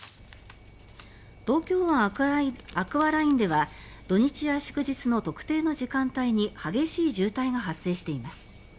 東京湾アクアラインでは土日や祝日の特定の時間帯に激しい渋滞が発生しています。